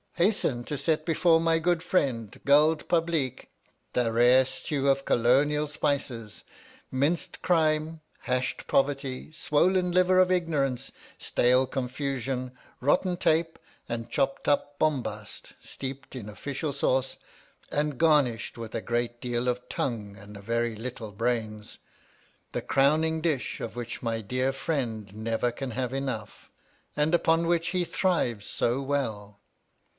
hasten to set before my good friend, Guld Publeek, the rare stew of colonial spices, minced crime, hashed poverty, swollen liver of ignorance, stale con fusion, rotten tape, and chopped up bombast, steeped in official sauce, and garnished with a great deal of tongue and a very little brains — the crowning dish, of which my dear friend never can have enough, and upon which he thrives so well